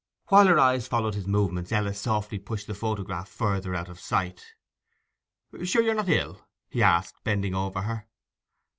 While her eyes followed his movements, Ella softly pushed the photograph further out of sight. 'Sure you're not ill?' he asked, bending over her.